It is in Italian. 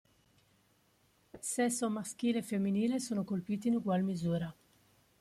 Sesso maschile e femminile sono colpiti in ugual misura.